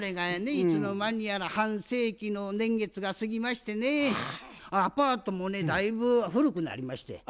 いつの間にやら半世紀の年月が過ぎましてねアパートもねだいぶ古くなりまして。